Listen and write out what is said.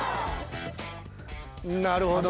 なるほどね。